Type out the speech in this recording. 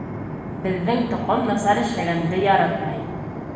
Беҙҙең тоҡом насар эшләгәнде яратмай.